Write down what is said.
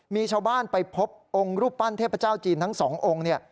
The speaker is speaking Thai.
มีชาวบ้านไปพบองค์รูปปั้นเทพเจ้าจีนทั้งสององค์